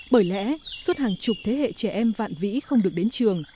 bởi lẽ suốt hàng chục thế hệ trẻ em vạn vĩ không được đến trường